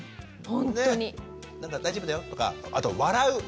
「大丈夫だよ」とか。あと笑う。